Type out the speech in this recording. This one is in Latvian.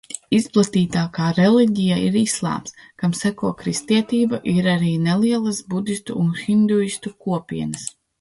Izplatītākā reliģija ir islāms, kam seko kristietība, ir arī nelielas budistu un hinduistu kopienas.